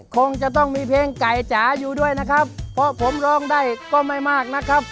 คงจะต้องมีเพลงไก่จ๋าอยู่ด้วยนะครับเพราะผมร้องได้ก็ไม่มากนะครับ